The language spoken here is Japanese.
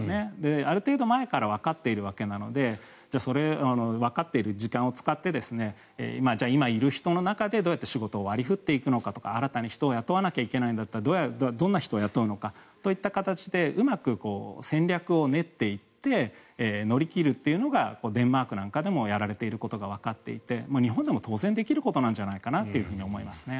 ある程度前からわかっているわけなのでじゃあわかっている時間を使って今いる人の中でどうやって仕事を割り振っていくんだとか新たに人を雇わなきゃいけないんだったらどんな人を雇うのかという形でうまく戦略を練っていって乗り切るというのがデンマークなんかでもやられていることがわかっていて日本でも当然できることじゃないかなと思います。